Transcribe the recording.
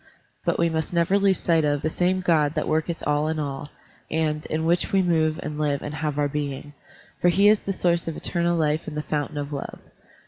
But we must never lose sight of "the same God that worketh all in all," and "in which we move and live and have our being," for he is the source of eternal life and the fountain of love.